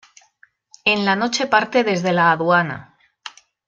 En la noche parte desde la Aduana.